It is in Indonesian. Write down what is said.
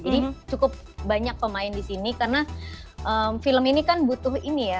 jadi cukup banyak pemain di sini karena film ini kan butuh ini ya